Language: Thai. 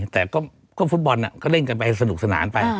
แต่ก็ฟุตบอลก็เล่นกันไปสนุกสนานไป